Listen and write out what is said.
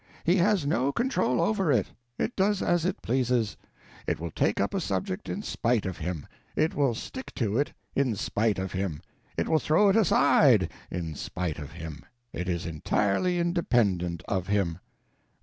He has no control over it; it does as it pleases. It will take up a subject in spite of him; it will stick to it in spite of him; it will throw it aside in spite of him. It is entirely independent of him.